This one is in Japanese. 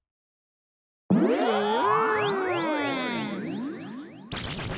ふっ！